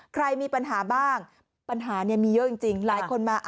ใครมีปัญหาบ้างปัญหาเนี่ยมีเยอะจริงหลายคนมา